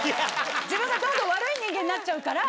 自分がどんどん悪い人間になっちゃうから。